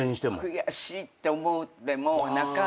悔しいって思っても泣かない。